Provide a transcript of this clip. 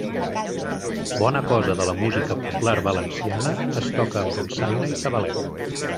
Bona cosa de la música popular valenciana es toca amb dolçaina i tabalet.